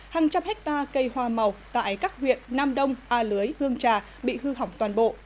hàng trăm hectare cây hoa màu tại các huyện nam đông a lưới hương trà bị hư hỏng toàn bộ